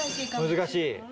難しい。